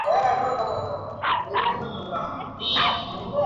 আবেদনে ধানমন্ডি খেলার মাঠে চলমান অবৈধ স্থাপনা নির্মাণকাজ বন্ধের নির্দেশনা চাওয়া হয়েছে।